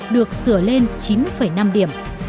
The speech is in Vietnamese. được sửa lên chín năm điểm